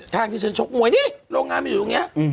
ทางที่ฉันชกมวยนี่โรงงานมันอยู่ตรงนี้